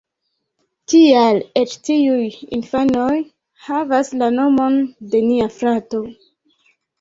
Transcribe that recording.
Tial eĉ tiuj infanoj havas la nomon de nia frato